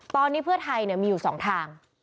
ตอนนี้เพื่อไทยเนี่ยมีอยู่สองทาง